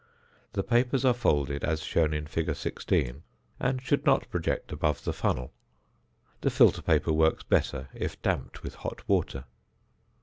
The papers are folded as shown in fig. 16, and should not project above the funnel. The filter paper works better if damped with hot water.